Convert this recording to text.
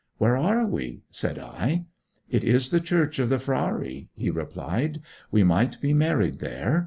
'Where are we?' said I. 'It is the Church of the Frari,' he replied. 'We might be married there.